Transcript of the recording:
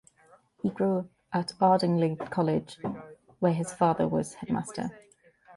He grew up at Ardingly College, where his father was headmaster.